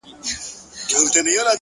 عاجزي د لویوالي نښه ده.